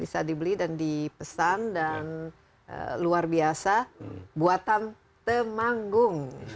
bisa dibeli dan dipesan dan luar biasa buatan temanggung